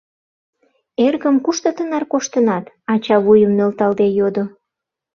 — Эргым, кушто тынар коштынат? — ача вуйым нӧлталде йодо.